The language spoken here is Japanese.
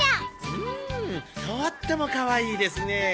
うんとってもかわいいですねえ。